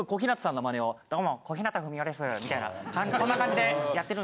モノマネどうも小日向文世ですみたいなこんな感じでやってるんです。